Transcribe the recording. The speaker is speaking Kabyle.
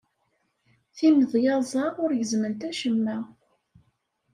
Timedyaẓ-a ur gezzment acemma.